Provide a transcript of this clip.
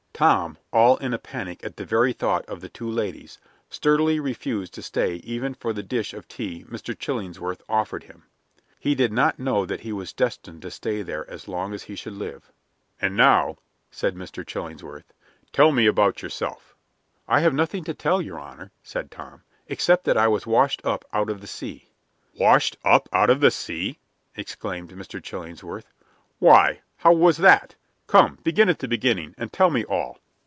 Tom, all in a panic at the very thought of the two ladies, sturdily refused to stay even for the dish of tea Mr. Chillingsworth offered him. He did not know that he was destined to stay there as long as he should live. "And now," said Mr. Chillingsworth, "tell me about yourself." "I have nothing to tell, Your Honor," said Tom, "except that I was washed up out of the sea." "Washed up out of the sea!" exclaimed Mr. Chillingsworth. "Why, how was that? Come, begin at the beginning, and tell me all."